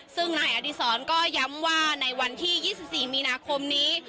ซึ่งนายอดีศรก็ย้ำว่าในวันที่๒๔มีนาคมนี้